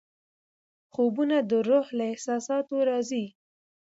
خوبونه د روح له احساساتو راځي.